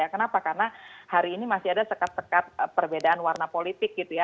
kenapa karena hari ini masih ada sekat sekat perbedaan warna politik gitu ya